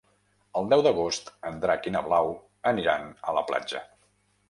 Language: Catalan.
El deu d'agost en Drac i na Blau aniran a la platja.